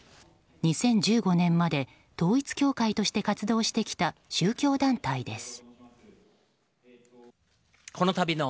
２０１５年まで統一教会として活動してきた宗教団体です。